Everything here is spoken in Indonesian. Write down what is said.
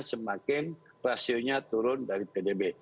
semakin rasionya turun dari pdb